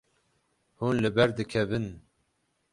Hûn li ber dikevin.